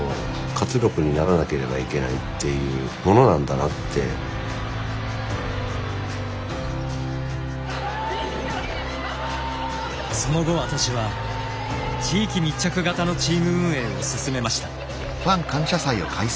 やっぱり僕らもその後私は地域密着型のチーム運営を進めました。